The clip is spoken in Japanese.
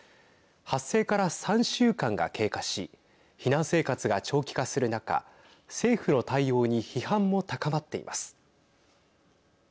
発生から３週間が経過し避難生活が長期化する中政府の対応に批判も高まっています。